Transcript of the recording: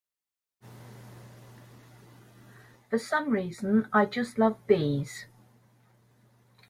For some reason I just love bees.